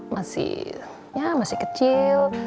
masih ya masih kecil